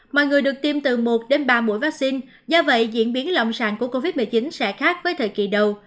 mọi người được tiêm từ một đến ba mũi vaccine do vậy diễn biến lâm sàng của covid một mươi chín sẽ khác với thời kỳ đầu